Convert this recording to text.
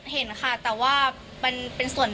เห็นค่ะแต่ว่ามันเป็นส่วนน้อยค่ะ